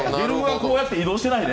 こうやって移動してないね。